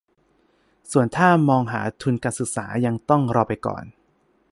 ส่วนถ้ามองหาทุนการศึกษายังต้องรอไปก่อน